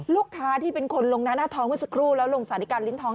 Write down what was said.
ลูกค้าที่เป็นคนลงหน้าหน้าทองเมื่อสักครู่แล้วลงสาธิการลิ้นทอง